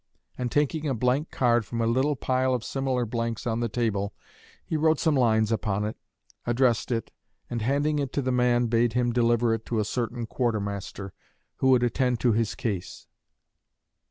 And taking a blank card from a little pile of similar blanks on the table, he wrote some lines upon it, addressed it, and handing it to the man bade him deliver it to a certain quartermaster, who would attend to his case."